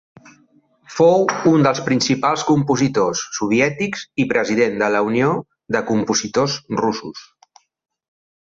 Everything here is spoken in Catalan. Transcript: Fou un dels principals compositors soviètics i president de la Unió de Compositors Russos.